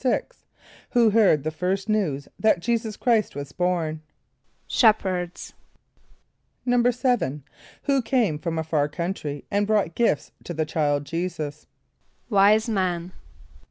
= Who heard the first news that J[=e]´[s+]us Chr[=i]st was born? =Shepherds.= =7.= Who came from a far country and brought gifts to the child J[=e]´[s+]us? =Wise men.